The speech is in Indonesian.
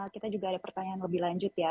kita juga ada pertanyaan lebih lanjut ya